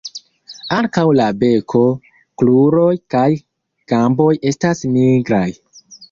Ankaŭ la beko, kruroj kaj gamboj estas nigraj.